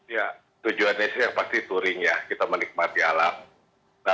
ya tujuan indonesia pasti touring ya kita menikmati alam